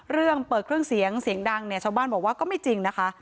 เรื่องเปิดเครื่องเสียงเสียงดังเนี่ยชาวบ้านบอกว่าก็ไม่จริงนะคะ